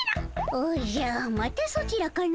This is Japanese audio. おじゃまたソチらかの。